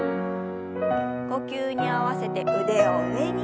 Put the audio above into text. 呼吸に合わせて腕を上に。